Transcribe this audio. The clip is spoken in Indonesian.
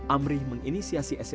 amri mengindahkan siswa siswa